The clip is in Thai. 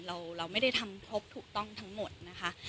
เราไม่ได้ทำครบถูกต้องทั้งหมดนะคะ